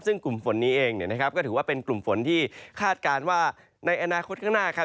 ซึ่งกลุ่มฝนนี้เองเนี่ยนะครับก็ถือว่าเป็นกลุ่มฝนที่คาดการณ์ว่าในอนาคตข้างหน้าครับ